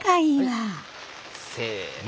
せの。